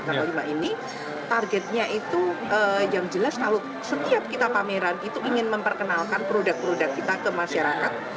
kalau lima ini targetnya itu yang jelas kalau setiap kita pameran itu ingin memperkenalkan produk produk kita ke masyarakat